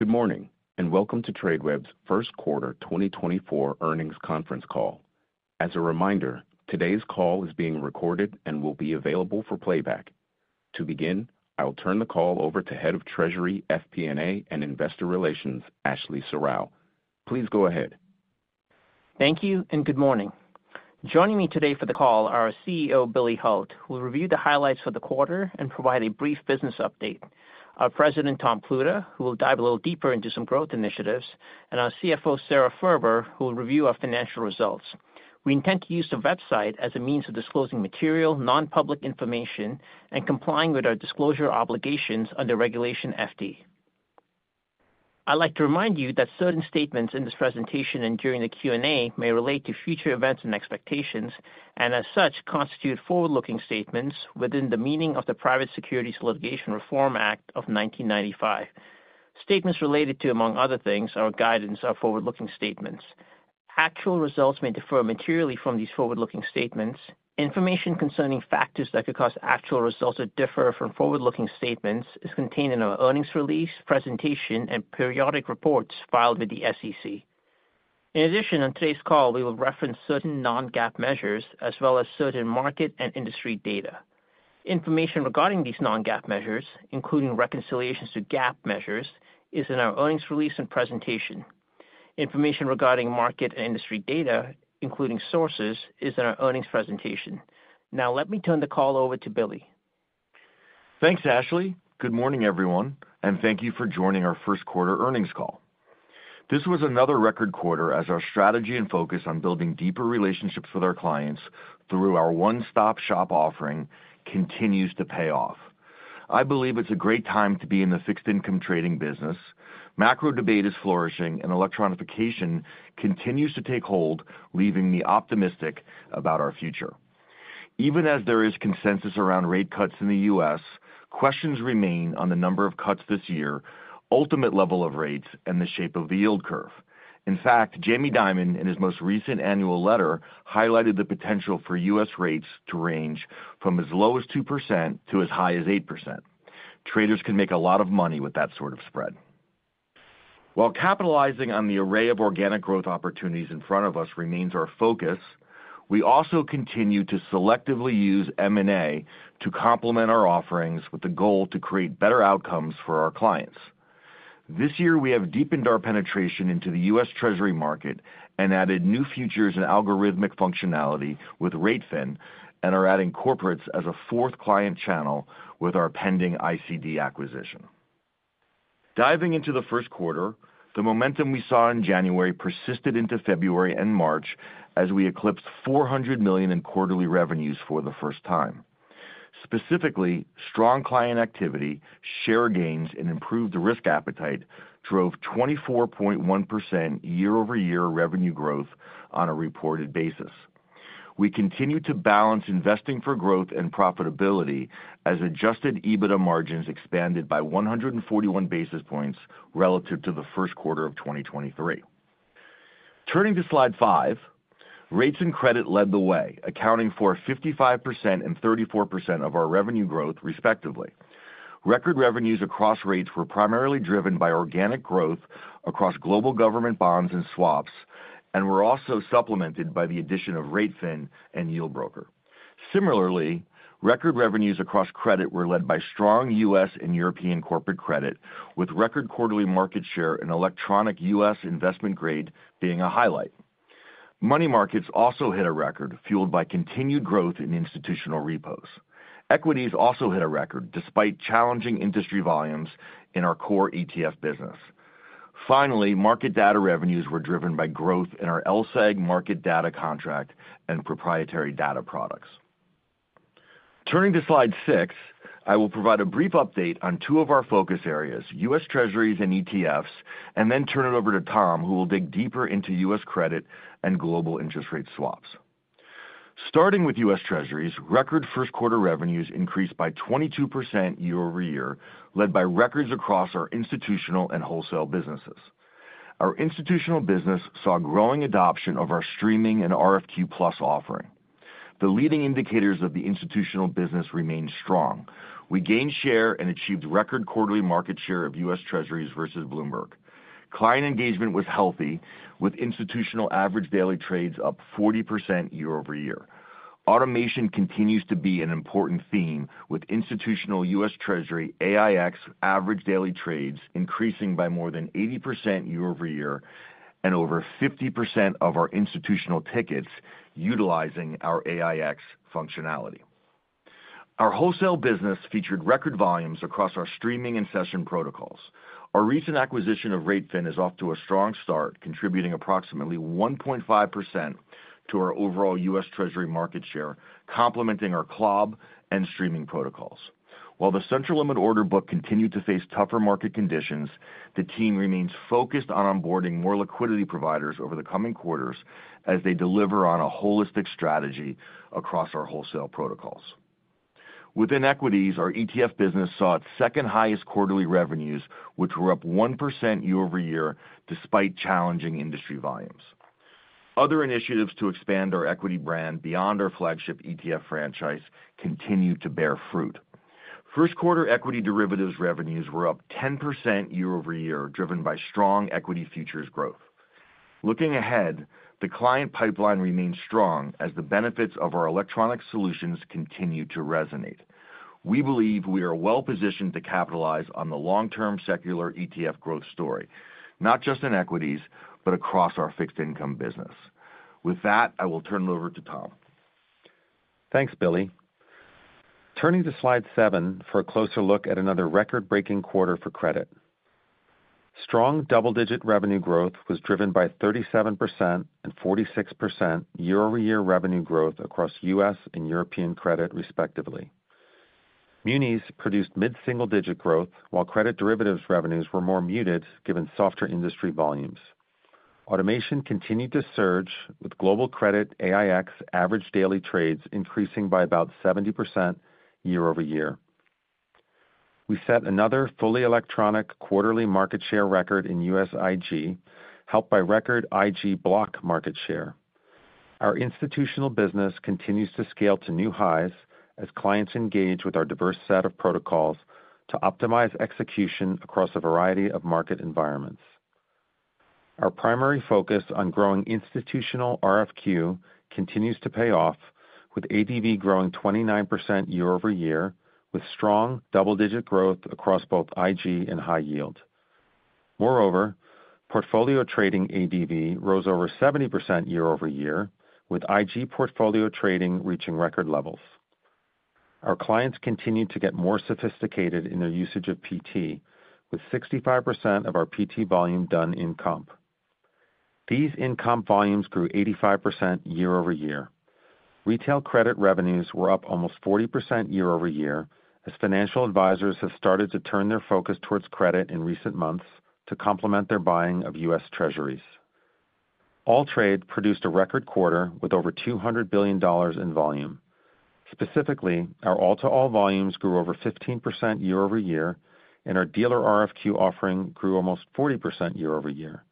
Good morning and welcome to Tradeweb's first quarter 2024 earnings conference call. As a reminder, today's call is being recorded and will be available for playback. To begin, I'll turn the call over to Head of Treasury FP&A and Investor Relations Ashley Serrao. Please go ahead. Thank you and good morning. Joining me today for the call are our CEO Billy Hult, who will review the highlights for the quarter and provide a brief business update. Our President Tom Pluta will dive a little deeper into some growth initiatives. And our CFO Sara Furber will review our financial results. We intend to use the website as a means of disclosing material, non-public information and complying with our disclosure obligations under Regulation FD. I'd like to remind you that certain statements in this presentation and during the Q&A may relate to future events and expectations, and as such constitute forward-looking statements within the meaning of the Private Securities Litigation Reform Act of 1995. Statements related to, among other things, our guidance are forward-looking statements. Actual results may differ materially from these forward-looking statements. Information concerning factors that could cause actual results to differ from forward-looking statements is contained in our earnings release, presentation, and periodic reports filed with the SEC. In addition, on today's call we will reference certain non-GAAP measures as well as certain market and industry data. Information regarding these non-GAAP measures, including reconciliations to GAAP measures, is in our earnings release and presentation. Information regarding market and industry data, including sources, is in our earnings presentation. Now let me turn the call over to Billy. Thanks, Ashley. Good morning everyone, and thank you for joining our first quarter earnings call. This was another record quarter as our strategy and focus on building deeper relationships with our clients through our one-stop shop offering continues to pay off. I believe it's a great time to be in the fixed-income trading business. Macro debate is flourishing, and electronification continues to take hold, leaving me optimistic about our future. Even as there is consensus around rate cuts in the U.S., questions remain on the number of cuts this year, ultimate level of rates, and the shape of the yield curve. In fact, Jamie Dimon in his most recent annual letter highlighted the potential for U.S. rates to range from as low as 2% to as high as 8%. Traders can make a lot of money with that sort of spread. While capitalizing on the array of organic growth opportunities in front of us remains our focus, we also continue to selectively use M&A to complement our offerings with the goal to create better outcomes for our clients. This year we have deepened our penetration into the U.S. Treasury market and added new futures and algorithmic functionality with r8fin, and are adding corporates as a fourth client channel with our pending ICD acquisition. Diving into the first quarter, the momentum we saw in January persisted into February and March as we eclipsed $400 million in quarterly revenues for the first time. Specifically, strong client activity, share gains, and improved risk appetite drove 24.1% year-over-year revenue growth on a reported basis. We continue to balance investing for growth and profitability as adjusted EBITDA margins expanded by 141 basis points relative to the first quarter of 2023. Turning to slide 5, rates and credit led the way, accounting for 55% and 34% of our revenue growth, respectively. Record revenues across rates were primarily driven by organic growth across global government bonds and swaps, and were also supplemented by the addition of RateFin and Yieldbroker. Similarly, record revenues across credit were led by strong U.S. and European corporate credit, with record quarterly market share in electronic U.S. investment grade being a highlight. Money markets also hit a record, fueled by continued growth in institutional repos. Equities also hit a record despite challenging industry volumes in our core ETF business. Finally, market data revenues were driven by growth in our LSEG market data contract and proprietary data products. Turning to slide 6, I will provide a brief update on two of our focus areas, U.S. Treasuries and ETFs, and then turn it over to Tom, who will dig deeper into U.S. credit and global interest rate swaps. Starting with U.S. Treasuries, record first quarter revenues increased by 22% year-over-year, led by records across our institutional and wholesale businesses. Our institutional business saw growing adoption of our streaming and RFQ+ offering. The leading indicators of the institutional business remained strong. We gained share and achieved record quarterly market share of U.S. Treasuries versus Bloomberg. Client engagement was healthy, with institutional average daily trades up 40% year-over-year. Automation continues to be an important theme, with institutional U.S. Treasury AiEX average daily trades increasing by more than 80% year-over-year and over 50% of our institutional tickets utilizing our AiEX functionality. Our wholesale business featured record volumes across our streaming and session protocols. Our recent acquisition of RateFin is off to a strong start, contributing approximately 1.5% to our overall U.S. Treasury market share, complementing our CLOB and streaming protocols. While the central limit order book continued to face tougher market conditions, the team remains focused on onboarding more liquidity providers over the coming quarters as they deliver on a holistic strategy across our wholesale protocols. Within equities, our ETF business saw its second-highest quarterly revenues, which were up 1% year-over-year despite challenging industry volumes. Other initiatives to expand our equity brand beyond our flagship ETF franchise continue to bear fruit. First quarter equity derivatives revenues were up 10% year-over-year, driven by strong equity futures growth. Looking ahead, the client pipeline remains strong as the benefits of our electronic solutions continue to resonate. We believe we are well-positioned to capitalize on the long-term secular ETF growth story, not just in equities but across our fixed-income business. With that, I will turn it over to Tom. Thanks, Billy. Turning to slide seven for a closer look at another record-breaking quarter for credit. Strong double-digit revenue growth was driven by 37% and 46% year-over-year revenue growth across U.S. and European credit, respectively. Munis produced mid-single-digit growth, while credit derivatives revenues were more muted given softer industry volumes. Automation continued to surge, with global credit AiEX average daily trades increasing by about 70% year-over-year. We set another fully electronic quarterly market share record in U.S. IG, helped by record IG block market share. Our institutional business continues to scale to new highs as clients engage with our diverse set of protocols to optimize execution across a variety of market environments. Our primary focus on growing institutional RFQ continues to pay off, with ADV growing 29% year-over-year, with strong double-digit growth across both IG and high yield. Moreover, portfolio trading ADV rose over 70% year-over-year, with IG portfolio trading reaching record levels. Our clients continue to get more sophisticated in their usage of PT, with 65% of our PT volume done in-comps. These in-comps volumes grew 85% year-over-year. Retail credit revenues were up almost 40% year-over-year as financial advisors have started to turn their focus towards credit in recent months to complement their buying of U.S. Treasuries. AllTrade produced a record quarter with over $200 billion in volume. Specifically, our all-to-all volumes grew over 15% year-over-year, and our dealer RFQ offering grew almost 40% year-over-year.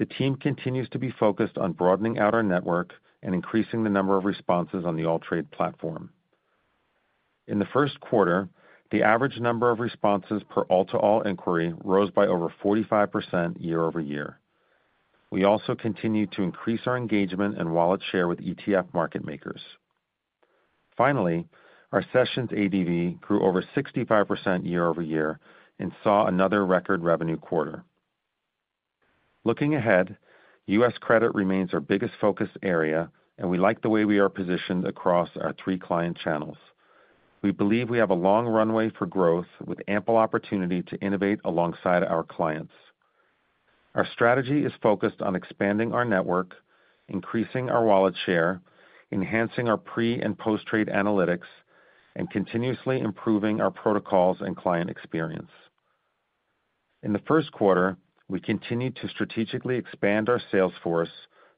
The team continues to be focused on broadening out our network and increasing the number of responses on the AllTrade platform. In the first quarter, the average number of responses per all-to-all inquiry rose by over 45% year-over-year. We also continue to increase our engagement and wallet share with ETF market makers. Finally, our sessions ADV grew over 65% year-over-year and saw another record revenue quarter. Looking ahead, U.S. credit remains our biggest focus area, and we like the way we are positioned across our three client channels. We believe we have a long runway for growth with ample opportunity to innovate alongside our clients. Our strategy is focused on expanding our network, increasing our wallet share, enhancing our pre- and post-trade analytics, and continuously improving our protocols and client experience. In the first quarter, we continue to strategically expand our sales force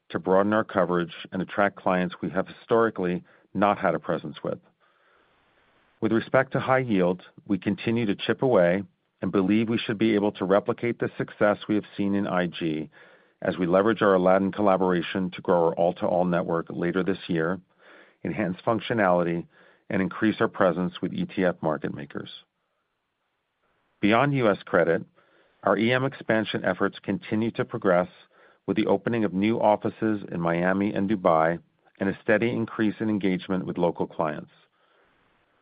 to broaden our coverage and attract clients we have historically not had a presence with. With respect to high yield, we continue to chip away and believe we should be able to replicate the success we have seen in IG as we leverage our Aladdin collaboration to grow our all-to-all network later this year, enhance functionality, and increase our presence with ETF market makers. Beyond U.S. credit, our EM expansion efforts continue to progress with the opening of new offices in Miami and Dubai and a steady increase in engagement with local clients.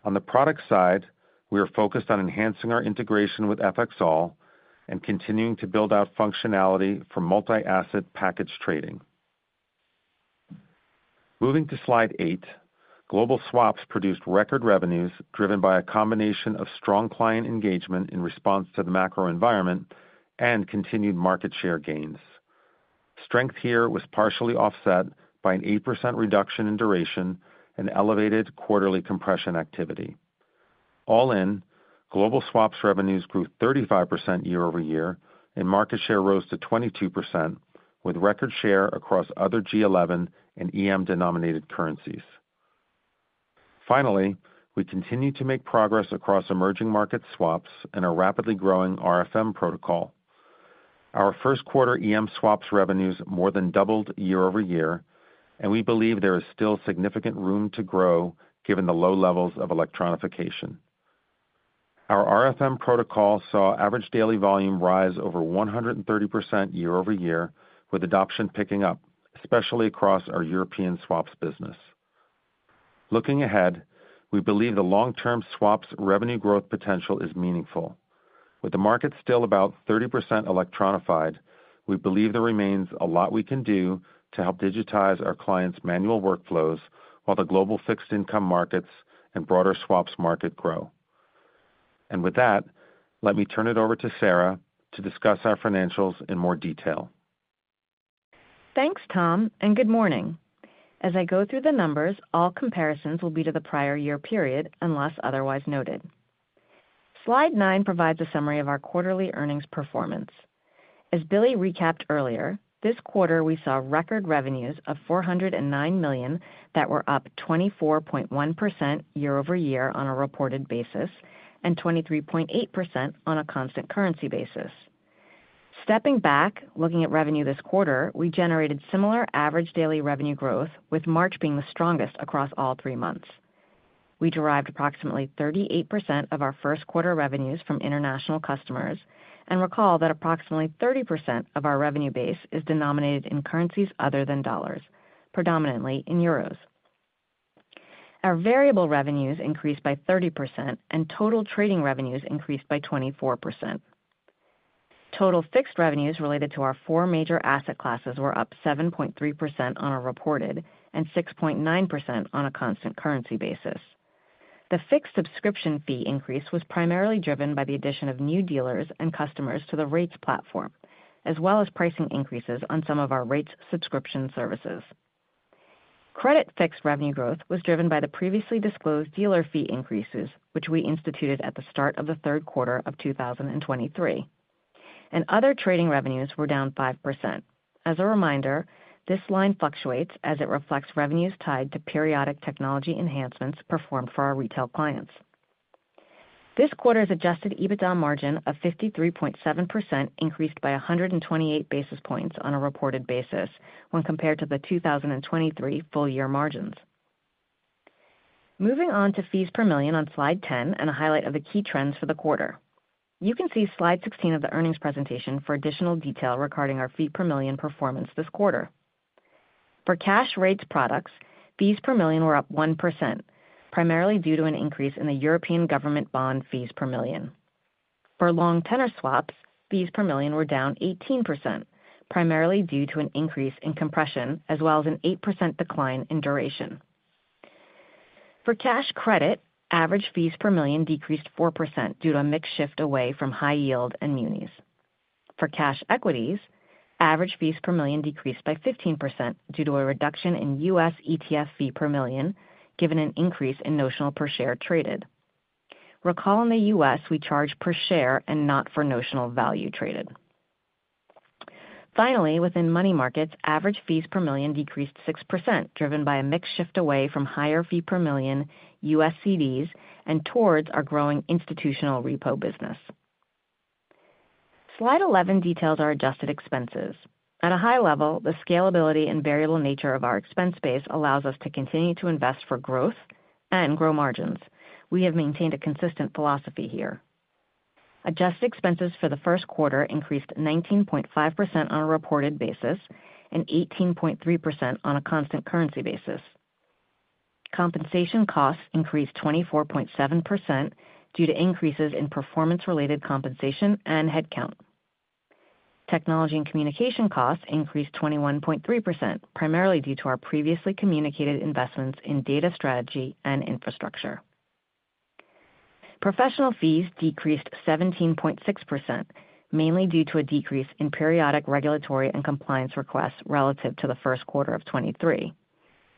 On the product side, we are focused on enhancing our integration with FXall and continuing to build out functionality for multi-asset package trading. Moving to slide 8, global swaps produced record revenues driven by a combination of strong client engagement in response to the macro environment and continued market share gains. Strength here was partially offset by an 8% reduction in duration and elevated quarterly compression activity. All in, global swaps revenues grew 35% year-over-year, and market share rose to 22% with record share across other G11 and EM-denominated currencies. Finally, we continue to make progress across emerging markets swaps and our rapidly growing RFM protocol. Our first quarter EM swaps revenues more than doubled year-over-year, and we believe there is still significant room to grow given the low levels of electronification. Our RFM protocol saw average daily volume rise over 130% year-over-year, with adoption picking up, especially across our European swaps business. Looking ahead, we believe the long-term swaps revenue growth potential is meaningful. With the market still about 30% electronified, we believe there remains a lot we can do to help digitize our clients' manual workflows while the global fixed-income markets and broader swaps market grow. And with that, let me turn it over to Sara to discuss our financials in more detail. Thanks, Tom, and good morning. As I go through the numbers, all comparisons will be to the prior year period unless otherwise noted. Slide 9 provides a summary of our quarterly earnings performance. As Billy recapped earlier, this quarter we saw record revenues of $409 million that were up 24.1% year-over-year on a reported basis and 23.8% on a constant currency basis. Stepping back, looking at revenue this quarter, we generated similar average daily revenue growth, with March being the strongest across all three months. We derived approximately 38% of our first quarter revenues from international customers and recall that approximately 30% of our revenue base is denominated in currencies other than dollars, predominantly in euros. Our variable revenues increased by 30%, and total trading revenues increased by 24%. Total fixed revenues related to our four major asset classes were up 7.3% on a reported and 6.9% on a constant currency basis. The fixed subscription fee increase was primarily driven by the addition of new dealers and customers to the Rates platform, as well as pricing increases on some of our Rates subscription services. Credit fixed revenue growth was driven by the previously disclosed dealer fee increases, which we instituted at the start of the third quarter of 2023. Other trading revenues were down 5%. As a reminder, this line fluctuates as it reflects revenues tied to periodic technology enhancements performed for our retail clients. This quarter's adjusted EBITDA margin of 53.7% increased by 128 basis points on a reported basis when compared to the 2023 full-year margins. Moving on to fees per million on slide 10 and a highlight of the key trends for the quarter. You can see slide 16 of the earnings presentation for additional detail regarding our fee per million performance this quarter. For cash Rates products, fees per million were up 1%, primarily due to an increase in the European government bond fees per million. For long tenor swaps, fees per million were down 18%, primarily due to an increase in compression as well as an 8% decline in duration. For cash credit, average fees per million decreased 4% due to a mixed shift away from high yield and munis. For cash equities, average fees per million decreased by 15% due to a reduction in U.S. ETF fee per million given an increase in notional per share traded. Recall in the U.S. we charge per share and not for notional value traded. Finally, within money markets, average fees per million decreased 6%, driven by a mixed shift away from higher fee per million U.S. CDs and towards our growing institutional repo business. Slide 11 details our adjusted expenses. At a high level, the scalability and variable nature of our expense base allows us to continue to invest for growth and grow margins. We have maintained a consistent philosophy here. Adjusted expenses for the first quarter increased 19.5% on a reported basis and 18.3% on a constant currency basis. Compensation costs increased 24.7% due to increases in performance-related compensation and headcount. Technology and communication costs increased 21.3%, primarily due to our previously communicated investments in data strategy and infrastructure. Professional fees decreased 17.6%, mainly due to a decrease in periodic regulatory and compliance requests relative to the first quarter of 2023.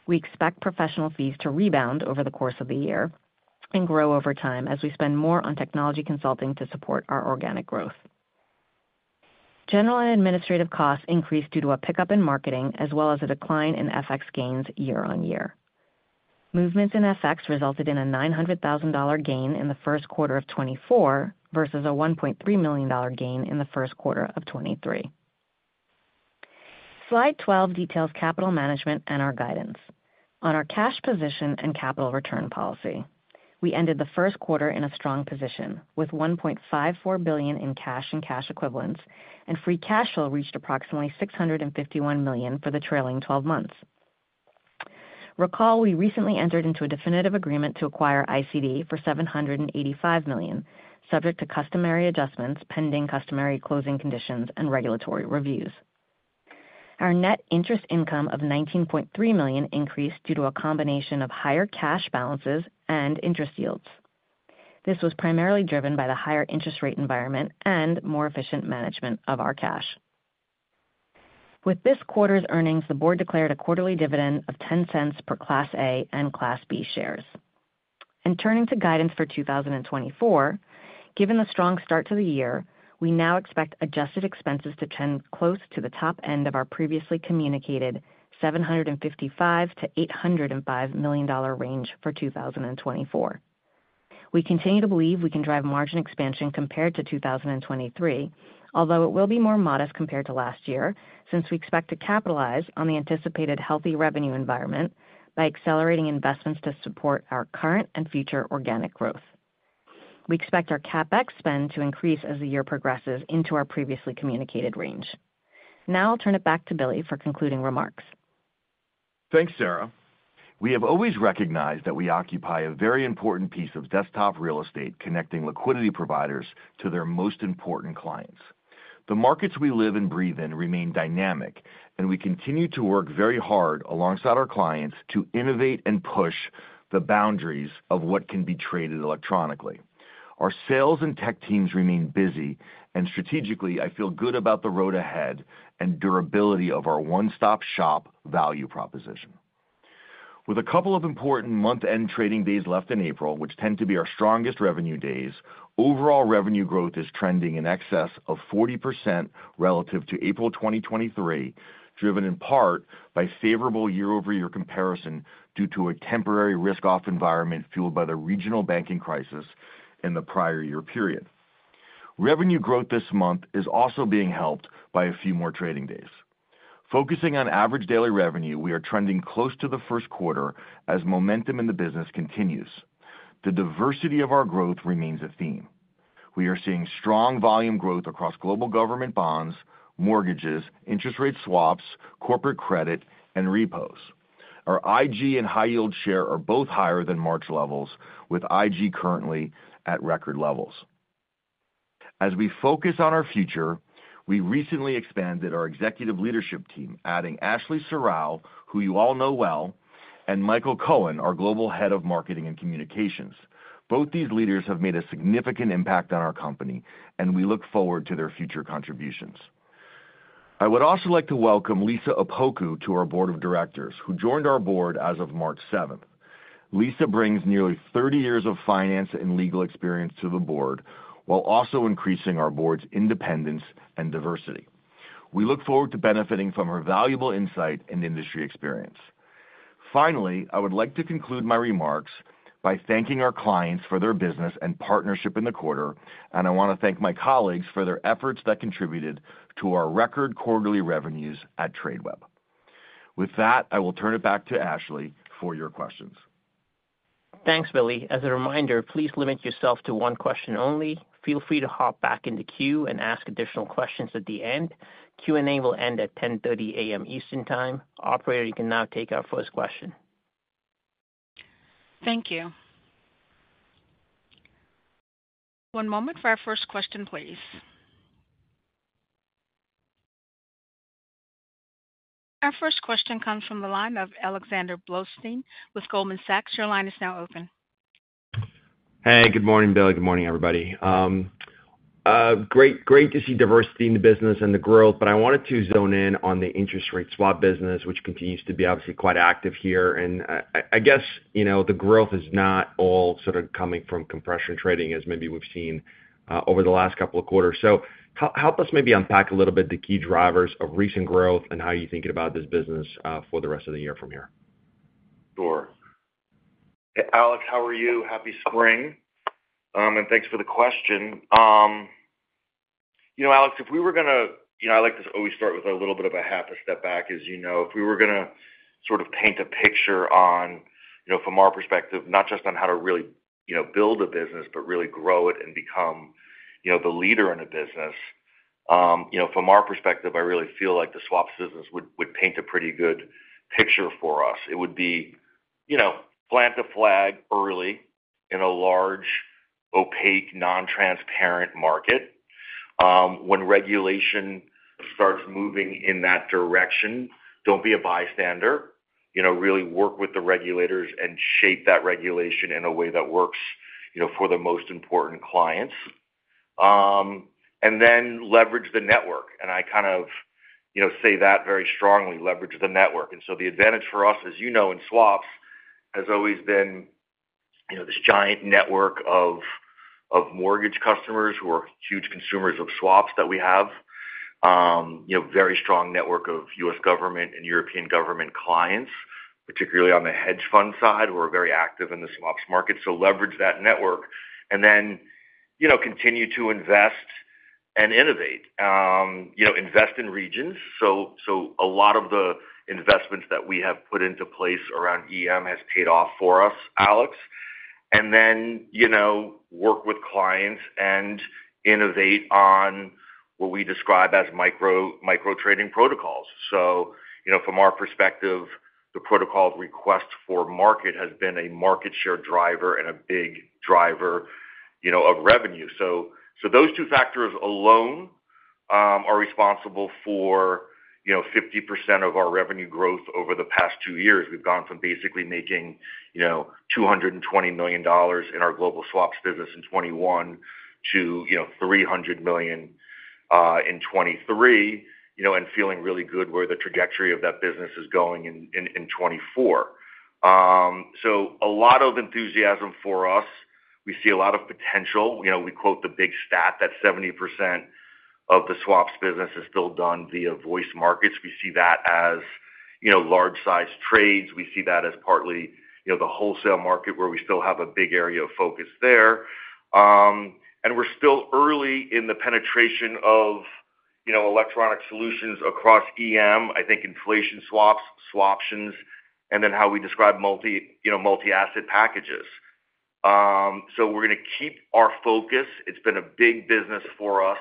We expect professional fees to rebound over the course of the year and grow over time as we spend more on technology consulting to support our organic growth. General and administrative costs increased due to a pickup in marketing as well as a decline in FX gains year on year. Movements in FX resulted in a $900,000 gain in the first quarter of 2024 versus a $1.3 million gain in the first quarter of 2023. Slide 12 details capital management and our guidance on our cash position and capital return policy. We ended the first quarter in a strong position with $1.54 billion in cash and cash equivalents, and free cash flow reached approximately $651 million for the trailing 12 months. Recall we recently entered into a definitive agreement to acquire ICD for $785 million, subject to customary adjustments, pending customary closing conditions, and regulatory reviews. Our net interest income of $19.3 million increased due to a combination of higher cash balances and interest yields. This was primarily driven by the higher interest rate environment and more efficient management of our cash. With this quarter's earnings, the board declared a quarterly dividend of $0.10 per Class A and Class B shares. Turning to guidance for 2024, given the strong start to the year, we now expect adjusted expenses to trend close to the top end of our previously communicated $755-$805 million range for 2024. We continue to believe we can drive margin expansion compared to 2023, although it will be more modest compared to last year since we expect to capitalize on the anticipated healthy revenue environment by accelerating investments to support our current and future organic growth. We expect our CapEx spend to increase as the year progresses into our previously communicated range. Now I'll turn it back to Billy for concluding remarks. Thanks, Sara. We have always recognized that we occupy a very important piece of desktop real estate connecting liquidity providers to their most important clients. The markets we live and breathe in remain dynamic, and we continue to work very hard alongside our clients to innovate and push the boundaries of what can be traded electronically. Our sales and tech teams remain busy, and strategically, I feel good about the road ahead and durability of our one-stop shop value proposition. With a couple of important month-end trading days left in April, which tend to be our strongest revenue days, overall revenue growth is trending in excess of 40% relative to April 2023, driven in part by favorable year-over-year comparison due to a temporary risk-off environment fueled by the regional banking crisis in the prior year period. Revenue growth this month is also being helped by a few more trading days. Focusing on average daily revenue, we are trending close to the first quarter as momentum in the business continues. The diversity of our growth remains a theme. We are seeing strong volume growth across global government bonds, mortgages, interest rate swaps, corporate credit, and repos. Our IG and high-yield share are both higher than March levels, with IG currently at record levels. As we focus on our future, we recently expanded our executive leadership team, adding Ashley Serrao, who you all know well, and Michael Cohen, our global head of marketing and communications. Both these leaders have made a significant impact on our company, and we look forward to their future contributions. I would also like to welcome Lisa Opoku to our board of directors, who joined our board as of March 7th. Lisa brings nearly 30 years of finance and legal experience to the board while also increasing our board's independence and diversity. We look forward to benefiting from her valuable insight and industry experience. Finally, I would like to conclude my remarks by thanking our clients for their business and partnership in the quarter, and I want to thank my colleagues for their efforts that contributed to our record quarterly revenues at Tradeweb. With that, I will turn it back to Ashley for your questions. Thanks, Billy. As a reminder, please limit yourself to one question only. Feel free to hop back in the queue and ask additional questions at the end. Q&A will end at 10:30 A.M. Eastern Time. Operator, you can now take our first question. Thank you. One moment for our first question, please. Our first question comes from the line of Alexander Blostein with Goldman Sachs. Your line is now open. Hey, good morning, Billy. Good morning, everybody. Great to see diversity in the business and the growth, but I wanted to zone in on the interest rate swap business, which continues to be obviously quite active here. I guess the growth is not all sort of coming from compression trading as maybe we've seen over the last couple of quarters. So help us maybe unpack a little bit the key drivers of recent growth and how you're thinking about this business for the rest of the year from here. Sure. Alex, how are you? Happy spring. Thanks for the question. Alex, if we were going to, I like to always start with a little bit of a half a step back. As you know, if we were going to sort of paint a picture on from our perspective, not just on how to really build a business but really grow it and become the leader in a business, from our perspective, I really feel like the swaps business would paint a pretty good picture for us. It would be plant a flag early in a large, opaque, non-transparent market. When regulation starts moving in that direction, don't be a bystander. Really work with the regulators and shape that regulation in a way that works for the most important clients. And then leverage the network. I kind of say that very strongly, leverage the network. And so the advantage for us, as you know, in swaps has always been this giant network of mortgage customers who are huge consumers of swaps that we have, very strong network of U.S. government and European government clients, particularly on the hedge fund side who are very active in the swaps market. So leverage that network and then continue to invest and innovate. Invest in regions. So a lot of the investments that we have put into place around EM has paid off for us, Alex. And then work with clients and innovate on what we describe as micro trading protocols. So from our perspective, the protocol request for market has been a market share driver and a big driver of revenue. So those two factors alone are responsible for 50% of our revenue growth over the past two years. We've gone from basically making $220 million in our global swaps business in 2021 to $300 million in 2023 and feeling really good where the trajectory of that business is going in 2024. So a lot of enthusiasm for us. We see a lot of potential. We quote the big stat that 70% of the swaps business is still done via voice markets. We see that as large-sized trades. We see that as partly the wholesale market where we still have a big area of focus there. And we're still early in the penetration of electronic solutions across EM, I think inflation swaps, swaptions, and then how we describe multi-asset packages. So we're going to keep our focus. It's been a big business for us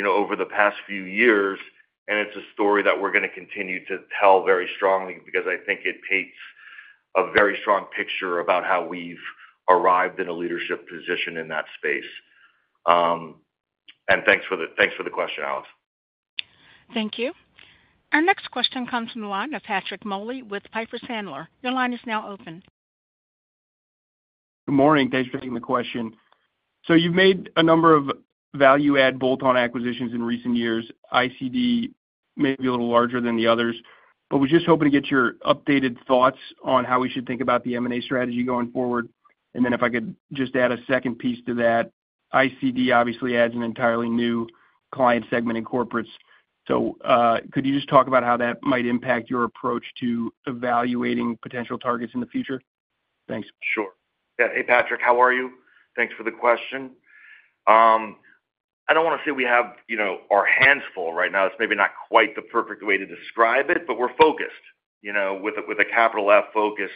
over the past few years, and it's a story that we're going to continue to tell very strongly because I think it paints a very strong picture about how we've arrived in a leadership position in that space. Thanks for the question, Alex. Thank you. Our next question comes from the line of Patrick Moley with Piper Sandler. Your line is now open. Good morning. Thanks for taking the question. So you've made a number of value-add bolt-on acquisitions in recent years, ICD maybe a little larger than the others, but was just hoping to get your updated thoughts on how we should think about the M&A strategy going forward. And then if I could just add a second piece to that, ICD obviously adds an entirely new client segment in corporates. So could you just talk about how that might impact your approach to evaluating potential targets in the future? Thanks. Sure. Yeah. Hey, Patrick. How are you? Thanks for the question. I don't want to say we have our hands full right now. It's maybe not quite the perfect way to describe it, but we're focused with a capital F focused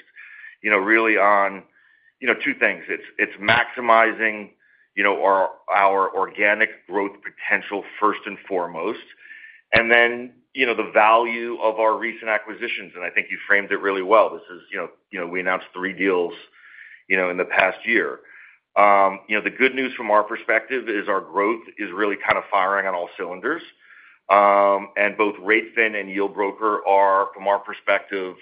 really on two things. It's maximizing our organic growth potential first and foremost, and then the value of our recent acquisitions. And I think you framed it really well. This is, we announced three deals in the past year. The good news from our perspective is our growth is really kind of firing on all cylinders. And both RateFin and Yieldbroker are, from our perspective,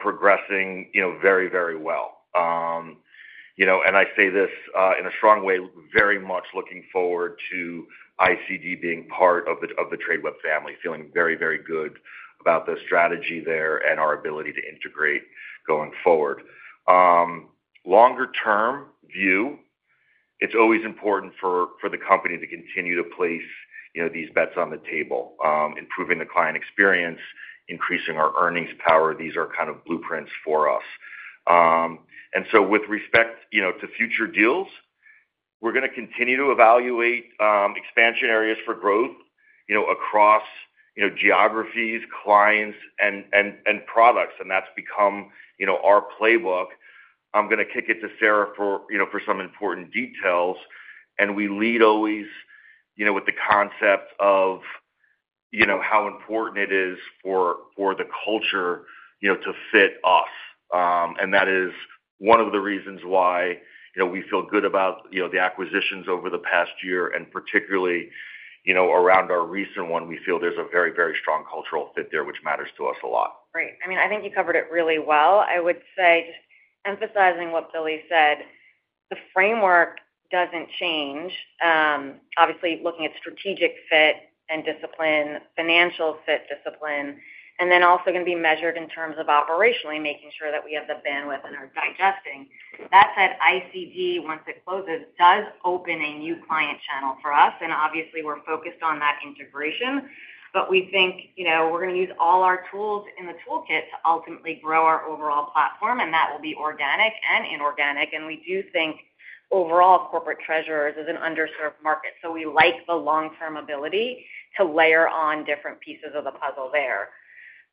progressing very, very well. And I say this in a strong way, very much looking forward to ICD being part of the Tradeweb family, feeling very, very good about the strategy there and our ability to integrate going forward. Longer-term view, it's always important for the company to continue to place these bets on the table, improving the client experience, increasing our earnings power. These are kind of blueprints for us. And so with respect to future deals, we're going to continue to evaluate expansion areas for growth across geographies, clients, and products. And that's become our playbook. I'm going to kick it to Sara for some important details. And we lead always with the concept of how important it is for the culture to fit us. And that is one of the reasons why we feel good about the acquisitions over the past year. And particularly around our recent one, we feel there's a very, very strong cultural fit there, which matters to us a lot. Great. I mean, I think you covered it really well. I would say just emphasizing what Billy said, the framework doesn't change, obviously looking at strategic fit and discipline, financial fit, discipline, and then also going to be measured in terms of operationally, making sure that we have the bandwidth and are digesting. That said, ICD, once it closes, does open a new client channel for us. And obviously, we're focused on that integration. But we think we're going to use all our tools in the toolkit to ultimately grow our overall platform, and that will be organic and inorganic. And we do think overall, corporate treasuries is an underserved market. So we like the long-term ability to layer on different pieces of the puzzle there.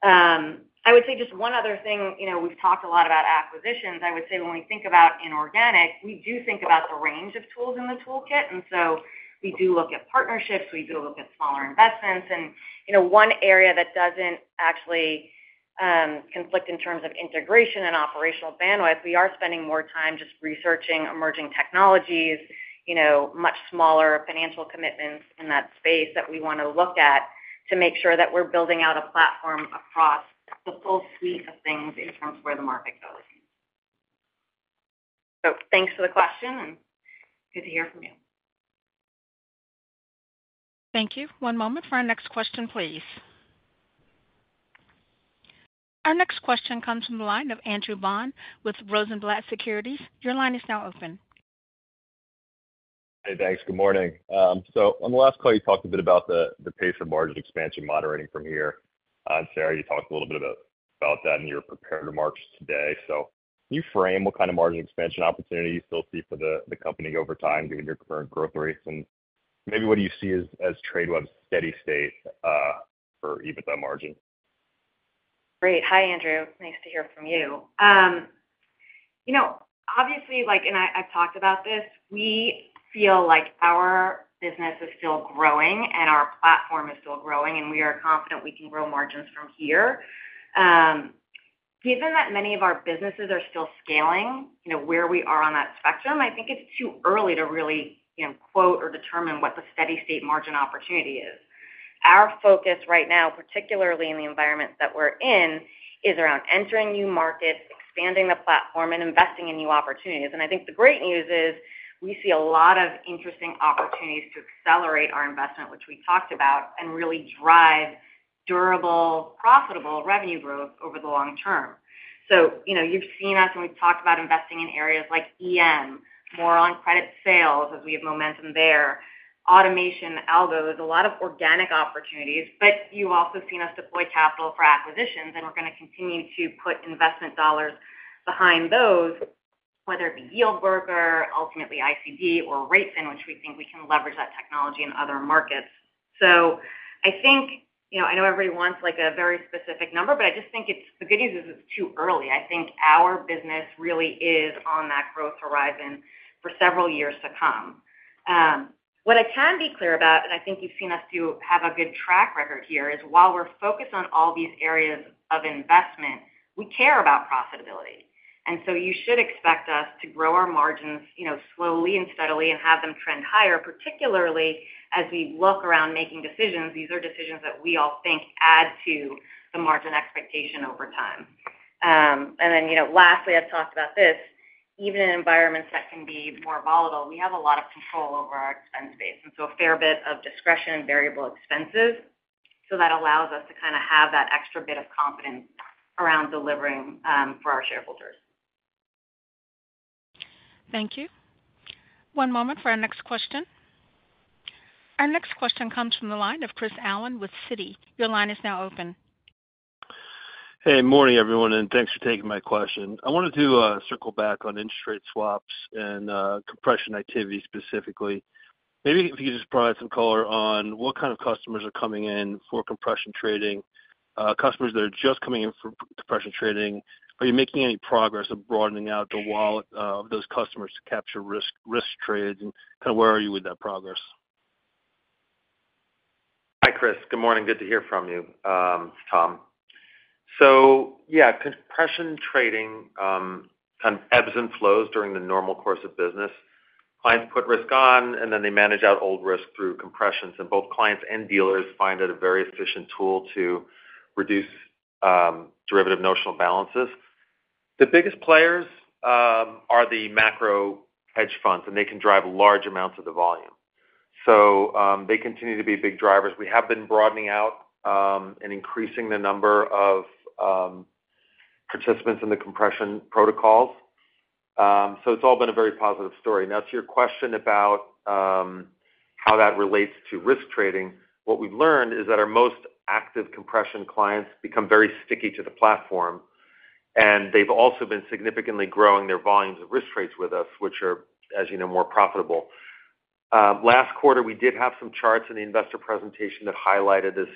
I would say just one other thing. We've talked a lot about acquisitions. I would say when we think about inorganic, we do think about the range of tools in the toolkit. And so we do look at partnerships. We do look at smaller investments. And one area that doesn't actually conflict in terms of integration and operational bandwidth, we are spending more time just researching emerging technologies, much smaller financial commitments in that space that we want to look at to make sure that we're building out a platform across the full suite of things in terms of where the market goes. So thanks for the question, and good to hear from you. Thank you. One moment for our next question, please. Our next question comes from the line of Andrew Bond with Rosenblatt Securities. Your line is now open. Hey, thanks. Good morning. On the last call, you talked a bit about the pace of margin expansion moderating from here. On Sara, you talked a little bit about that in your prepared remarks today. So can you frame what kind of margin expansion opportunity you still see for the company over time given your current growth rates? And maybe what do you see as Tradeweb's steady state for EBITDA margin? Great. Hi, Andrew. Nice to hear from you. Obviously, and I've talked about this, we feel like our business is still growing and our platform is still growing, and we are confident we can grow margins from here. Given that many of our businesses are still scaling where we are on that spectrum, I think it's too early to really quote or determine what the steady state margin opportunity is. Our focus right now, particularly in the environment that we're in, is around entering new markets, expanding the platform, and investing in new opportunities. I think the great news is we see a lot of interesting opportunities to accelerate our investment, which we talked about, and really drive durable, profitable revenue growth over the long term. So you've seen us, and we've talked about investing in areas like EM, more on credit sales as we have momentum there, automation, algos, a lot of organic opportunities. But you've also seen us deploy capital for acquisitions, and we're going to continue to put investment dollars behind those, whether it be Yieldbroker, ultimately ICD, or RateFin, which we think we can leverage that technology in other markets. So I think I know everybody wants a very specific number, but I just think the good news is it's too early. I think our business really is on that growth horizon for several years to come. What I can be clear about, and I think you've seen us do have a good track record here, is while we're focused on all these areas of investment, we care about profitability. And so you should expect us to grow our margins slowly and steadily and have them trend higher, particularly as we look around making decisions. These are decisions that we all think add to the margin expectation over time. And then lastly, I've talked about this. Even in environments that can be more volatile, we have a lot of control over our expense base, and so a fair bit of discretion and variable expenses. So that allows us to kind of have that extra bit of confidence around delivering for our shareholders. Thank you. One moment for our next question. Our next question comes from the line of Chris Allen with Citi. Your line is now open. Hey, morning, everyone, and thanks for taking my question. I wanted to circle back on interest rate swaps and compression activity specifically. Maybe if you could just provide some color on what kind of customers are coming in for compression trading, customers that are just coming in for compression trading. Are you making any progress of broadening out the wallet of those customers to capture risk trades? And kind of where are you with that progress? Hi, Chris. Good morning. Good to hear from you, Tom. So yeah, compression trading kind of ebbs and flows during the normal course of business. Clients put risk on, and then they manage out old risk through compressions. And both clients and dealers find it a very efficient tool to reduce derivative notional balances. The biggest players are the macro hedge funds, and they can drive large amounts of the volume. So they continue to be big drivers. We have been broadening out and increasing the number of participants in the compression protocols. So it's all been a very positive story. Now, to your question about how that relates to risk trading, what we've learned is that our most active compression clients become very sticky to the platform. And they've also been significantly growing their volumes of risk trades with us, which are, as you know, more profitable. Last quarter, we did have some charts in the investor presentation that highlighted this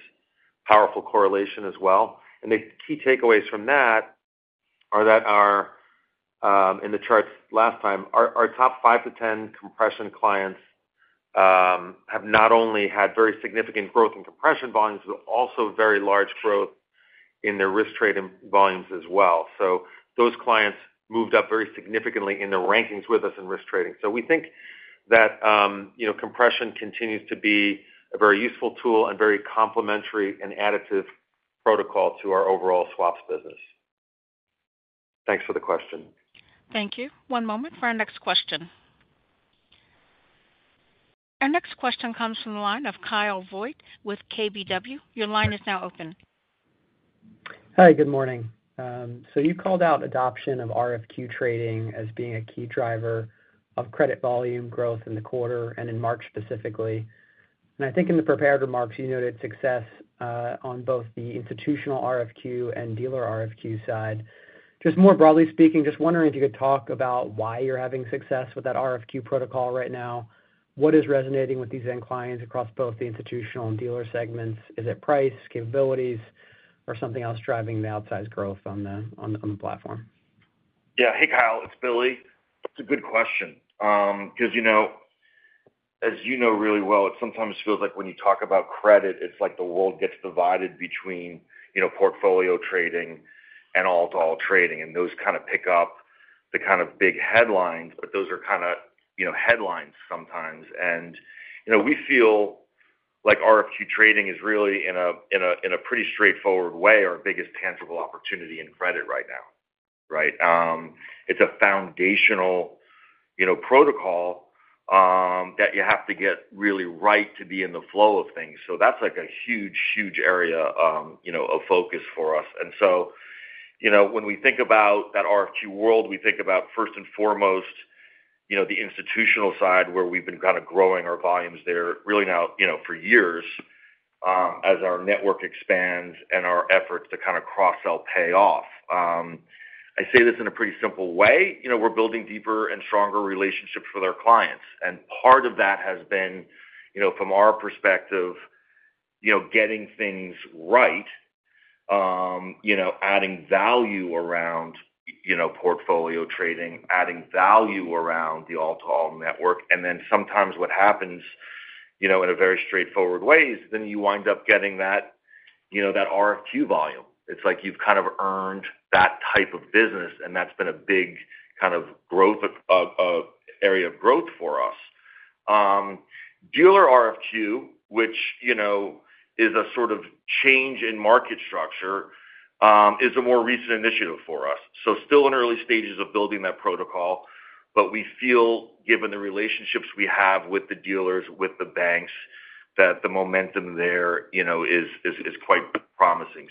powerful correlation as well. The key takeaways from that are that in the charts last time, our top 5-10 compression clients have not only had very significant growth in compression volumes but also very large growth in their risk trading volumes as well. Those clients moved up very significantly in their rankings with us in risk trading. We think that compression continues to be a very useful tool and very complementary and additive protocol to our overall swaps business. Thanks for the question. Thank you. One moment for our next question. Our next question comes from the line of Kyle Voigt with KBW. Your line is now open. Hi. Good morning. So you called out adoption of RFQ trading as being a key driver of credit volume growth in the quarter and in March specifically. And I think in the prepared remarks, you noted success on both the institutional RFQ and dealer RFQ side. Just more broadly speaking, just wondering if you could talk about why you're having success with that RFQ protocol right now. What is resonating with these end clients across both the institutional and dealer segments? Is it price, capabilities, or something else driving the outsized growth on the platform? Yeah. Hey, Kyle. It's Billy. It's a good question because, as you know really well, it sometimes feels like when you talk about credit, it's like the world gets divided between portfolio trading and all-to-all trading. And those kind of pick up the kind of big headlines, but those are kind of headlines sometimes. And we feel like RFQ trading is really, in a pretty straightforward way, our biggest tangible opportunity in credit right now, right? It's a foundational protocol that you have to get really right to be in the flow of things. So that's a huge, huge area of focus for us. And so when we think about that RFQ world, we think about first and foremost the institutional side where we've been kind of growing our volumes there really now for years as our network expands and our efforts to kind of cross-sell pay off. I say this in a pretty simple way. We're building deeper and stronger relationships with our clients. Part of that has been, from our perspective, getting things right, adding value around portfolio trading, adding value around the all-to-all network. Then sometimes what happens in a very straightforward way is then you wind up getting that RFQ volume. It's like you've kind of earned that type of business, and that's been a big kind of area of growth for us. Dealer RFQ, which is a sort of change in market structure, is a more recent initiative for us. Still in early stages of building that protocol. We feel, given the relationships we have with the dealers, with the banks, that the momentum there is quite promising.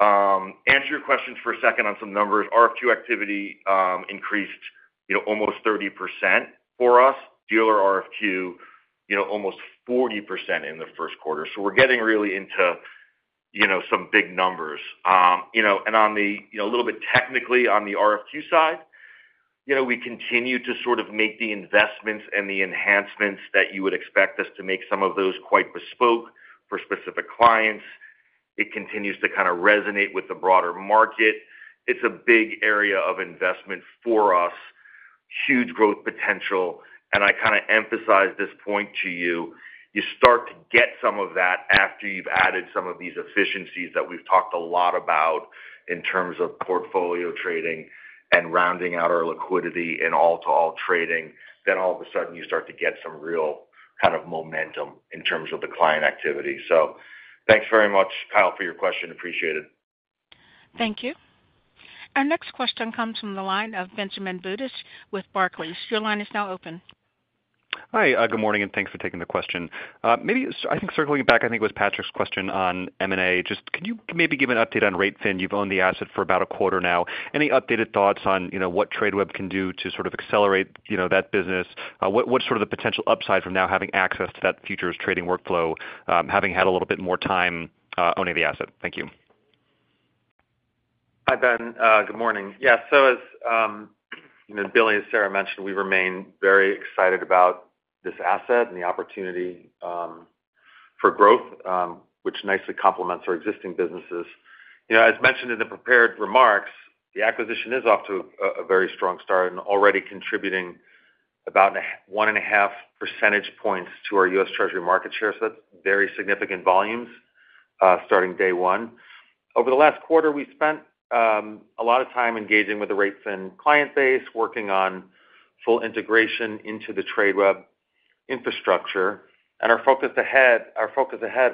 Answer your questions for a second on some numbers. RFQ activity increased almost 30% for us. Dealer RFQ, almost 40% in the first quarter. So we're getting really into some big numbers. And a little bit technically, on the RFQ side, we continue to sort of make the investments and the enhancements that you would expect us to make some of those quite bespoke for specific clients. It continues to kind of resonate with the broader market. It's a big area of investment for us, huge growth potential. And I kind of emphasized this point to you. You start to get some of that after you've added some of these efficiencies that we've talked a lot about in terms of portfolio trading and rounding out our liquidity in all-to-all trading. Then all of a sudden, you start to get some real kind of momentum in terms of the client activity. So thanks very much, Kyle, for your question. Appreciate it. Thank you. Our next question comes from the line of Benjamin Budish with Barclays. Your line is now open. Hi. Good morning, and thanks for taking the question. I think circling back, I think it was Patrick's question on M&A. Just can you maybe give an update on r8fin? You've owned the asset for about a quarter now. Any updated thoughts on what Tradeweb can do to sort of accelerate that business? What's sort of the potential upside from now having access to that futures trading workflow, having had a little bit more time owning the asset? Thank you. Hi, Ben. Good morning. Yeah. So as Billy and Sara mentioned, we remain very excited about this asset and the opportunity for growth, which nicely complements our existing businesses. As mentioned in the prepared remarks, the acquisition is off to a very strong start and already contributing about 1.5 percentage points to our U.S. Treasury market share. So that's very significant volumes starting day one. Over the last quarter, we spent a lot of time engaging with the RateFin client base, working on full integration into the Tradeweb infrastructure. And our focus ahead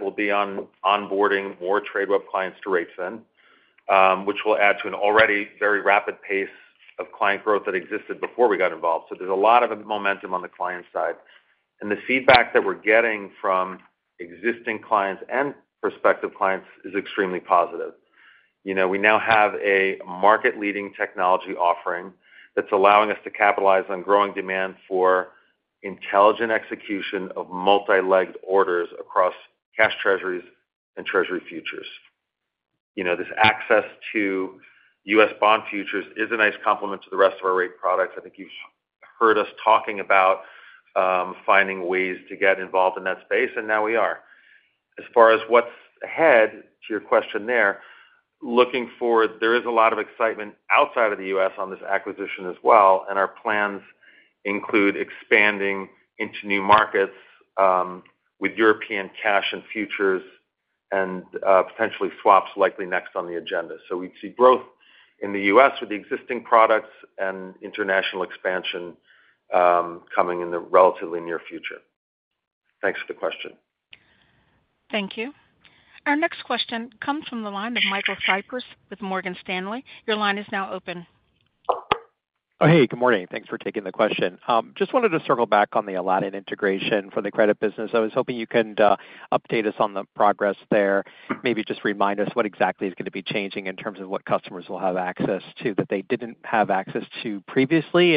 will be on onboarding more Tradeweb clients to RateFin, which will add to an already very rapid pace of client growth that existed before we got involved. So there's a lot of momentum on the client side. And the feedback that we're getting from existing clients and prospective clients is extremely positive. We now have a market-leading technology offering that's allowing us to capitalize on growing demand for intelligent execution of multi-legged orders across cash treasuries and treasury futures. This access to U.S. bond futures is a nice complement to the rest of our rate products. I think you've heard us talking about finding ways to get involved in that space, and now we are. As far as what's ahead, to your question there, looking forward, there is a lot of excitement outside of the U.S. on this acquisition as well. And our plans include expanding into new markets with European cash and futures and potentially swaps likely next on the agenda. So we'd see growth in the U.S. with the existing products and international expansion coming in the relatively near future. Thanks for the question. Thank you. Our next question comes from the line of Michael Cyprys with Morgan Stanley. Your line is now open. Oh, hey. Good morning. Thanks for taking the question. Just wanted to circle back on the Aladdin integration for the credit business. I was hoping you could update us on the progress there. Maybe just remind us what exactly is going to be changing in terms of what customers will have access to that they didn't have access to previously.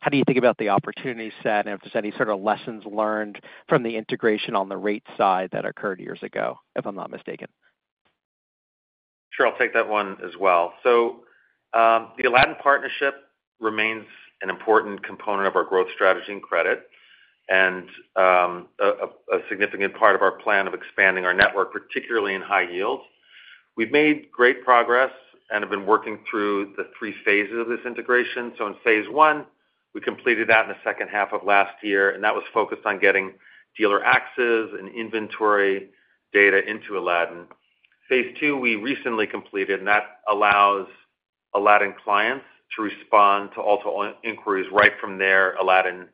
How do you think about the opportunity set and if there's any sort of lessons learned from the integration on the rate side that occurred years ago, if I'm not mistaken? Sure. I'll take that one as well. So the Aladdin partnership remains an important component of our growth strategy in credit and a significant part of our plan of expanding our network, particularly in high yields. We've made great progress and have been working through the three phases of this integration. So in phase one, we completed that in the second half of last year, and that was focused on getting dealer access and inventory data into Aladdin. Phase two, we recently completed, and that allows Aladdin clients to respond to all-to-all inquiries right from their Aladdin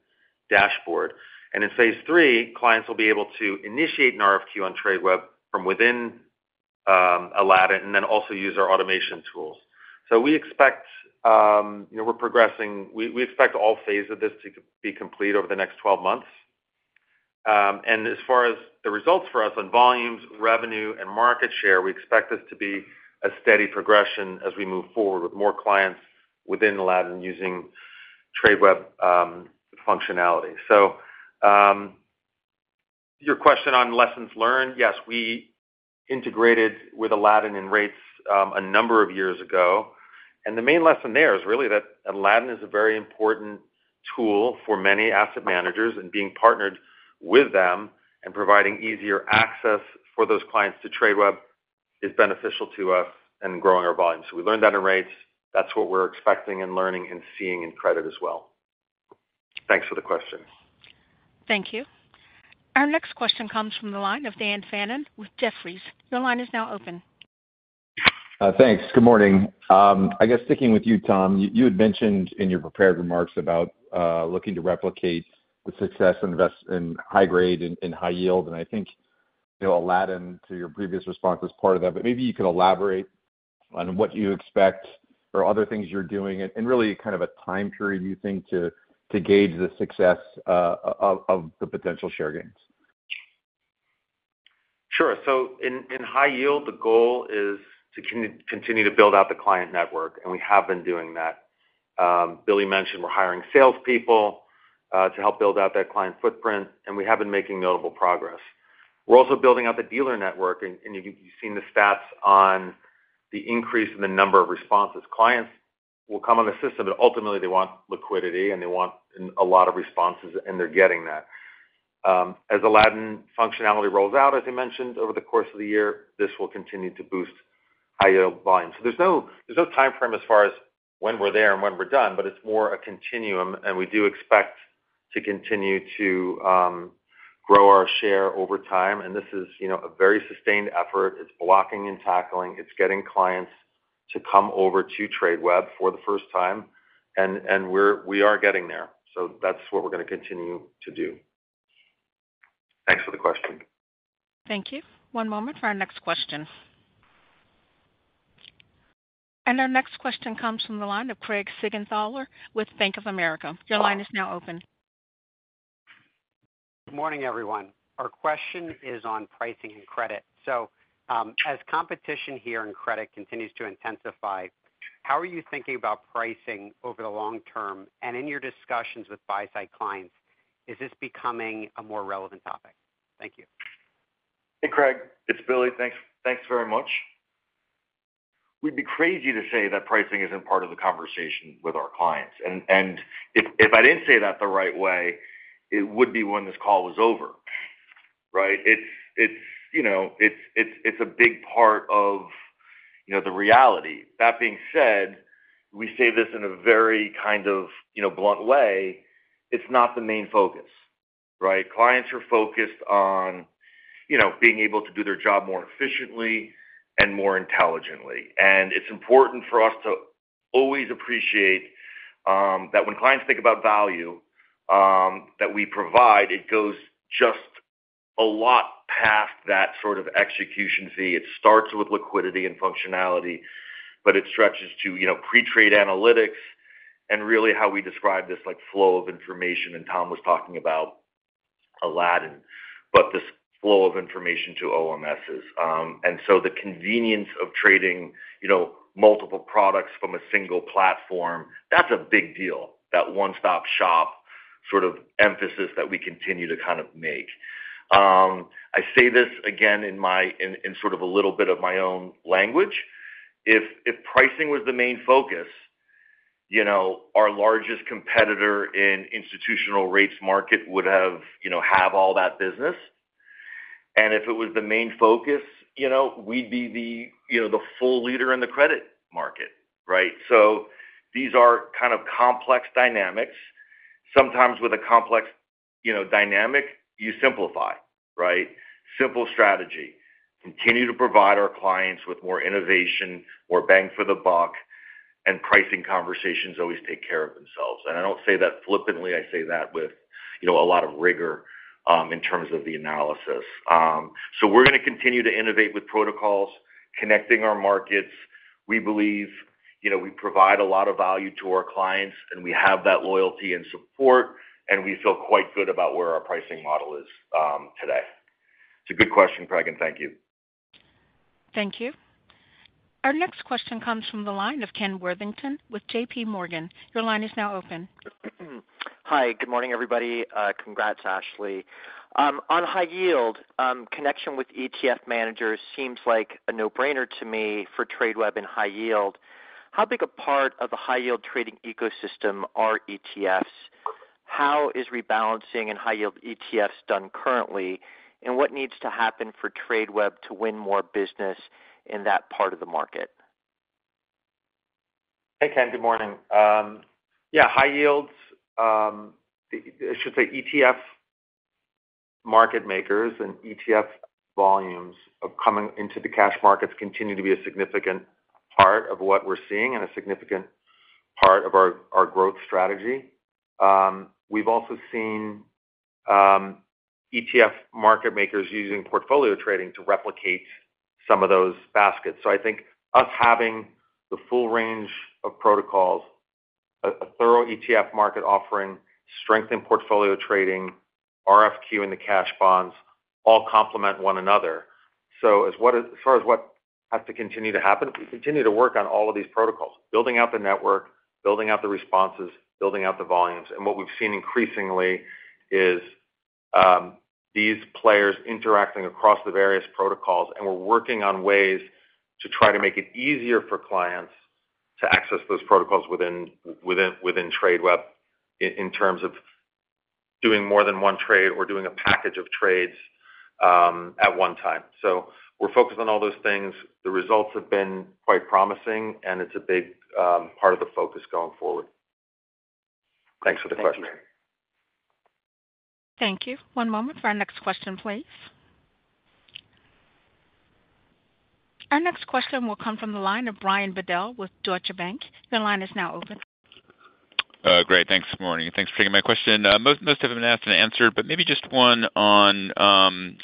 dashboard. And in phase three, clients will be able to initiate an RFQ on Tradeweb from within Aladdin and then also use our automation tools. So we expect we're progressing. We expect all phases of this to be complete over the next 12 months. As far as the results for us on volumes, revenue, and market share, we expect this to be a steady progression as we move forward with more clients within Aladdin using Tradeweb functionality. Your question on lessons learned, yes, we integrated with Aladdin in rates a number of years ago. The main lesson there is really that Aladdin is a very important tool for many asset managers. Being partnered with them and providing easier access for those clients to Tradeweb is beneficial to us in growing our volumes. We learned that in rates. That's what we're expecting and learning and seeing in credit as well. Thanks for the question. Thank you. Our next question comes from the line of Dan Fannon with Jefferies. Your line is now open. Thanks. Good morning. I guess sticking with you, Tom, you had mentioned in your prepared remarks about looking to replicate the success in high-grade and high-yield. And I think Aladdin, to your previous response, is part of that. But maybe you could elaborate on what you expect or other things you're doing and really kind of a time period, you think, to gauge the success of the potential share gains? Sure. So in high-yield, the goal is to continue to build out the client network, and we have been doing that. Billy mentioned we're hiring salespeople to help build out that client footprint, and we have been making notable progress. We're also building out the dealer network. You've seen the stats on the increase in the number of responses. Clients will come on the system, but ultimately, they want liquidity, and they want a lot of responses, and they're getting that. As Aladdin functionality rolls out, as I mentioned, over the course of the year, this will continue to boost high-yield volumes. So there's no time frame as far as when we're there and when we're done, but it's more a continuum. We do expect to continue to grow our share over time. This is a very sustained effort. It's blocking and tackling. It's getting clients to come over to Tradeweb for the first time. And we are getting there. So that's what we're going to continue to do. Thanks for the question. Thank you. One moment for our next question. Our next question comes from the line of Craig Siegenthaler with Bank of America. Your line is now open. Good morning, everyone. Our question is on pricing and credit. So as competition here in credit continues to intensify, how are you thinking about pricing over the long term? And in your discussions with buy-side clients, is this becoming a more relevant topic? Thank you. Hey, Craig. It's Billy. Thanks very much. We'd be crazy to say that pricing isn't part of the conversation with our clients. And if I didn't say that the right way, it would be when this call was over, right? It's a big part of the reality. That being said, we say this in a very kind of blunt way. It's not the main focus, right? Clients are focused on being able to do their job more efficiently and more intelligently. And it's important for us to always appreciate that when clients think about value that we provide, it goes just a lot past that sort of execution fee. It starts with liquidity and functionality, but it stretches to pre-trade analytics and really how we describe this flow of information. And Tom was talking about Aladdin, but this flow of information to OMSs. And so the convenience of trading multiple products from a single platform, that's a big deal, that one-stop shop sort of emphasis that we continue to kind of make. I say this again in sort of a little bit of my own language. If pricing was the main focus, our largest competitor in institutional rates market would have all that business. And if it was the main focus, we'd be the full leader in the credit market, right? So these are kind of complex dynamics. Sometimes with a complex dynamic, you simplify, right? Simple strategy. Continue to provide our clients with more innovation, more bang for the buck. And pricing conversations always take care of themselves. And I don't say that flippantly. I say that with a lot of rigor in terms of the analysis. So we're going to continue to innovate with protocols, connecting our markets. We believe we provide a lot of value to our clients, and we have that loyalty and support. We feel quite good about where our pricing model is today. It's a good question, Craig, and thank you. Thank you. Our next question comes from the line of Ken Worthington with J.P. Morgan. Your line is now open. Hi. Good morning, everybody. Congrats, Ashley. On high yield, connection with ETF managers seems like a no-brainer to me for Tradeweb in high yield. How big a part of the high-yield trading ecosystem are ETFs? How is rebalancing in high-yield ETFs done currently? And what needs to happen for Tradeweb to win more business in that part of the market? Hey, Ken. Good morning. Yeah, high yields, I should say, ETF market makers and ETF volumes coming into the cash markets continue to be a significant part of what we're seeing and a significant part of our growth strategy. We've also seen ETF market makers using portfolio trading to replicate some of those baskets. So I think us having the full range of protocols, a thorough ETF market offering, strengthened portfolio trading, RFQ in the cash bonds, all complement one another. So as far as what has to continue to happen, we continue to work on all of these protocols, building out the network, building out the responses, building out the volumes. And what we've seen increasingly is these players interacting across the various protocols. We're working on ways to try to make it easier for clients to access those protocols within Tradeweb in terms of doing more than one trade or doing a package of trades at one time. We're focused on all those things. The results have been quite promising, and it's a big part of the focus going forward. Thanks for the question. Thank you. Thank you. One moment for our next question, please. Our next question will come from the line of Brian Bedell with Deutsche Bank. Your line is now open. Great. Thanks. Good morning. Thanks for taking my question. Most of them have been asked and answered, but maybe just one on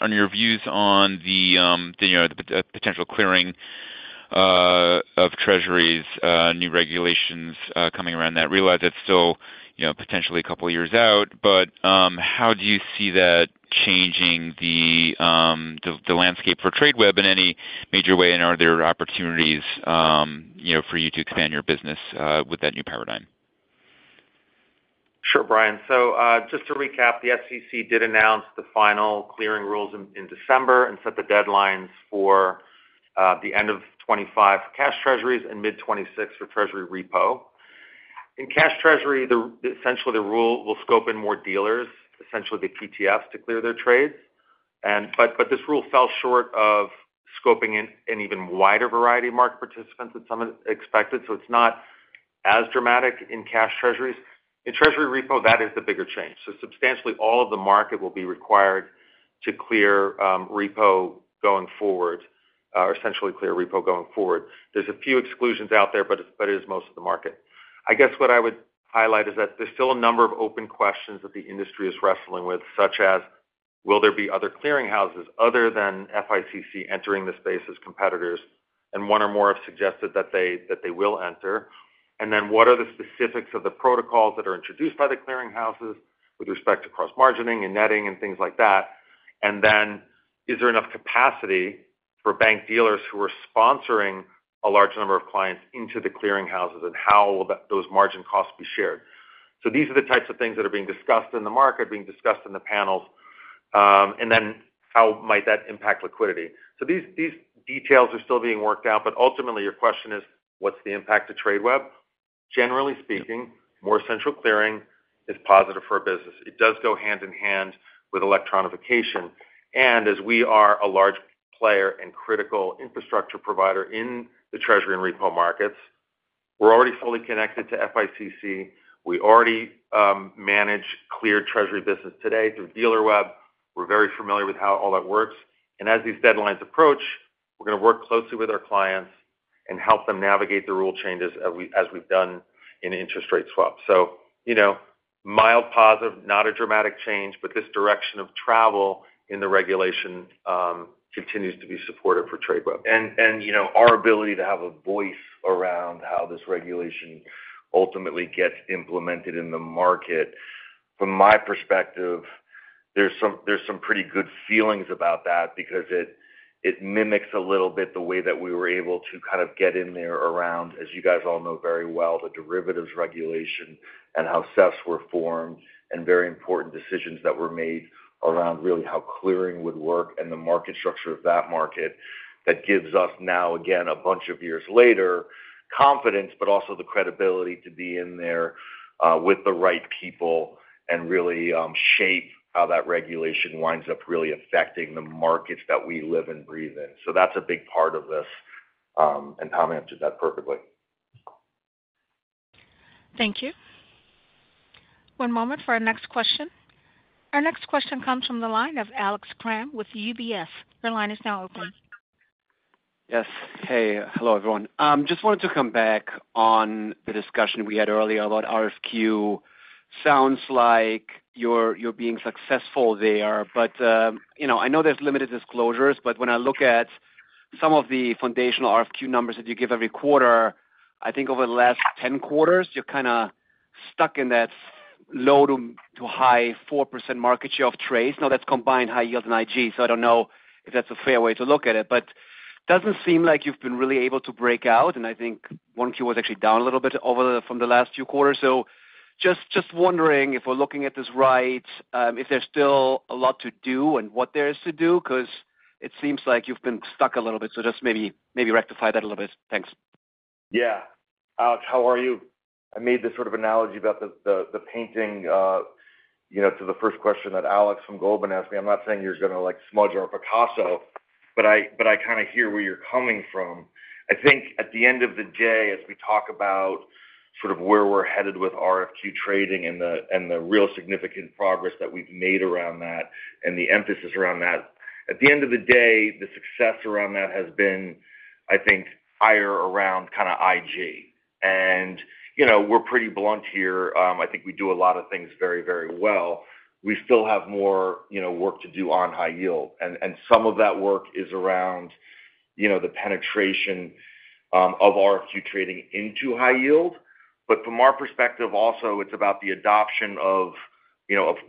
your views on the potential clearing of treasuries, new regulations coming around that. Realize it's still potentially a couple of years out, but how do you see that changing the landscape for Tradeweb in any major way? And are there opportunities for you to expand your business with that new paradigm? Sure, Brian. So just to recap, the SEC did announce the final clearing rules in December and set the deadlines for the end of 2025 for cash treasuries and mid-2026 for treasury repo. In cash treasury, essentially, the rule will scope in more dealers, essentially the PTFs, to clear their trades. But this rule fell short of scoping in an even wider variety of market participants than some had expected. So it's not as dramatic in cash treasuries. In treasury repo, that is the bigger change. So substantially, all of the market will be required to clear repo going forward or essentially clear repo going forward. There's a few exclusions out there, but it is most of the market. I guess what I would highlight is that there's still a number of open questions that the industry is wrestling with, such as, will there be other clearing houses other than FICC entering the space as competitors? And one or more have suggested that they will enter. And then what are the specifics of the protocols that are introduced by the clearing houses with respect to cross-margining and netting and things like that? And then is there enough capacity for bank dealers who are sponsoring a large number of clients into the clearing houses, and how will those margin costs be shared? So these are the types of things that are being discussed in the market, being discussed in the panels, and then how might that impact liquidity? So these details are still being worked out. But ultimately, your question is, what's the impact to Tradeweb? Generally speaking, more central clearing is positive for a business. It does go hand in hand with electronification. As we are a large player and critical infrastructure provider in the treasury and repo markets, we're already fully connected to FICC. We already manage cleared treasury business today through DealerWeb. We're very familiar with how all that works. As these deadlines approach, we're going to work closely with our clients and help them navigate the rule changes as we've done in interest rate swaps. Mild positive, not a dramatic change, but this direction of travel in the regulation continues to be supportive for Tradeweb. Our ability to have a voice around how this regulation ultimately gets implemented in the market, from my perspective, there's some pretty good feelings about that because it mimics a little bit the way that we were able to kind of get in there around, as you guys all know very well, the derivatives regulation and how SEFs were formed and very important decisions that were made around really how clearing would work and the market structure of that market that gives us now, again, a bunch of years later, confidence but also the credibility to be in there with the right people and really shape how that regulation winds up really affecting the markets that we live and breathe in. So that's a big part of this, and Tom answered that perfectly. Thank you. One moment for our next question. Our next question comes from the line of Alex Kramm with UBS. Your line is now open. Yes. Hey. Hello, everyone. Just wanted to come back on the discussion we had earlier about RFQ. Sounds like you're being successful there, but I know there's limited disclosures. But when I look at some of the foundational RFQ numbers that you give every quarter, I think over the last 10 quarters, you're kind of stuck in that low to high 4% market share of trades. Now, that's combined high yield and IG. So I don't know if that's a fair way to look at it, but it doesn't seem like you've been really able to break out. And I think 1Q was actually down a little bit from the last few quarters. So just wondering if we're looking at this right, if there's still a lot to do and what there is to do because it seems like you've been stuck a little bit. Just maybe rectify that a little bit. Thanks. Yeah. Alex, how are you? I made this sort of analogy about the painting to the first question that Alex from Goldman Sachs asked me. I'm not saying you're going to smudge our Picasso, but I kind of hear where you're coming from. I think at the end of the day, as we talk about sort of where we're headed with RFQ trading and the real significant progress that we've made around that and the emphasis around that, at the end of the day, the success around that has been, I think, higher around kind of IG. And we're pretty blunt here. I think we do a lot of things very, very well. We still have more work to do on high yield. And some of that work is around the penetration of RFQ trading into high yield. But from our perspective, also, it's about the adoption of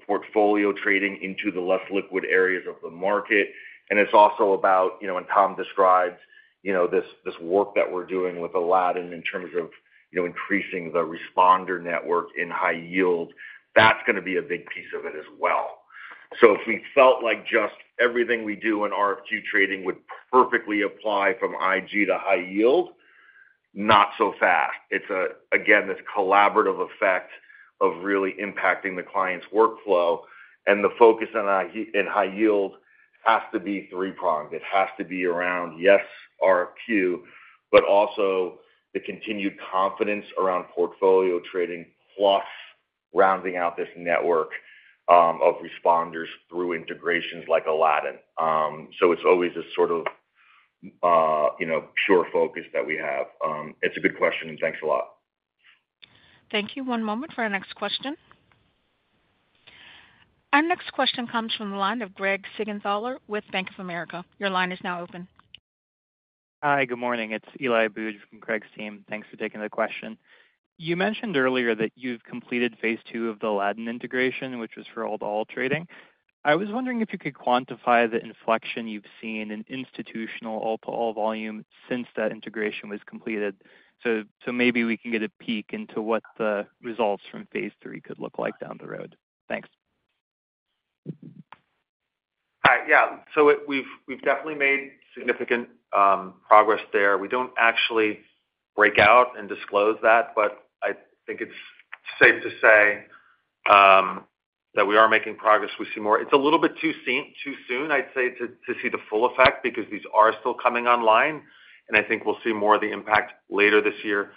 portfolio trading into the less liquid areas of the market. And it's also about, when Tom describes this work that we're doing with Aladdin in terms of increasing the responder network in high yield, that's going to be a big piece of it as well. So if we felt like just everything we do in RFQ trading would perfectly apply from IG to high yield, not so fast. Again, this collaborative effect of really impacting the client's workflow and the focus in high yield has to be three-pronged. It has to be around, yes, RFQ, but also the continued confidence around portfolio trading plus rounding out this network of responders through integrations like Aladdin. So it's always this sort of pure focus that we have. It's a good question, and thanks a lot. Thank you. One moment for our next question. Our next question comes from the line of Craig Siegenthaler with Bank of America. Your line is now open. Hi. Good morning. It's Eli Buege from Craig's team. Thanks for taking the question. You mentioned earlier that you've completed phase two of the Aladdin integration, which was for all-to-all trading. I was wondering if you could quantify the inflection you've seen in institutional all-to-all volume since that integration was completed. So maybe we can get a peek into what the results from phase three could look like down the road. Thanks. Hi. Yeah. So we've definitely made significant progress there. We don't actually break out and disclose that, but I think it's safe to say that we are making progress. We see more; it's a little bit too soon, I'd say, to see the full effect because these are still coming online. And I think we'll see more of the impact later this year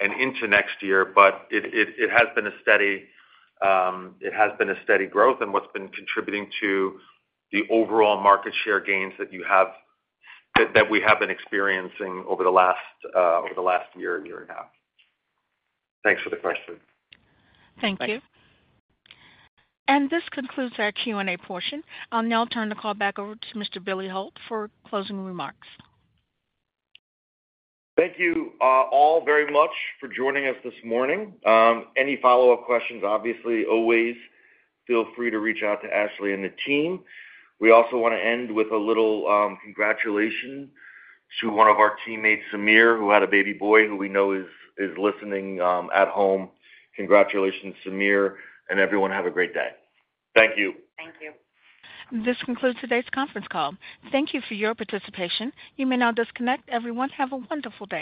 and into next year. But it has been a steady growth in what's been contributing to the overall market share gains that we have been experiencing over the last year, year and a half. Thanks for the question. Thank you. This concludes our Q&A portion. I'll now turn the call back over to Mr. Billy Hult for closing remarks. Thank you all very much for joining us this morning. Any follow-up questions, obviously, always feel free to reach out to Ashley and the team. We also want to end with a little congratulations to one of our teammates, Samir, who had a baby boy who we know is listening at home. Congratulations, Samir, and everyone. Have a great day. Thank you. Thank you. This concludes today's conference call. Thank you for your participation. You may now disconnect. Everyone, have a wonderful day.